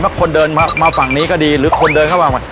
คนเดินมาฝั่งนี้ก็ดีหรือคนเดินเข้ามา